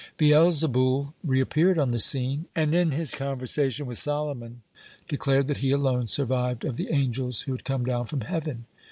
Beelzeboul reappeared on the scene, and in his conversation with Solomon declared that he alone survived of the angels who had come down from heaven.